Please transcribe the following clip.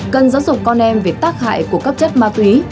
cần giáo dục con em về tác hại của các chất ma túy